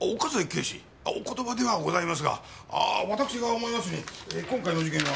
警視お言葉ではございますが私が思いますに今回の事件はこの３人。